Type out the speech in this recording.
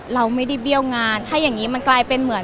เราไม่ได้เบี้ยวงานถ้าอย่างนี้มันกลายเป็นเหมือน